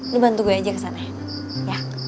lo bantu gue aja kesana ya